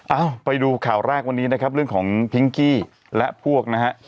เอ้าไปดูข่าวแรกวันนี้นะครับเรื่องของพิงกี้และพวกนะฮะ